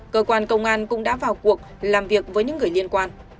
cơ quan công an cũng đã vào cuộc làm việc với những người liên quan